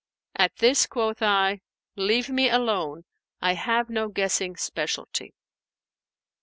At this quoth I * 'Leave me alone; I have no guessing specialty.'"